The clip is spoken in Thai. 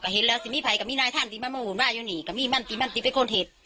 เห็นแล้วสิมีภัยก็มีนายท่านที่มันมาหุ่นว่าอยู่นี่ก็มีมั่นติมั่นตีเป็นคนเห็น